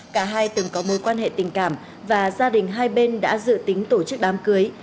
cả hai từng có mối quan hệ tình cảm và gia đình hai bên đã dự tính tổ chức đám cưới